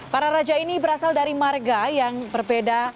para raja ini berasal dari marga yang berbeda